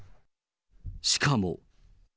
しかも。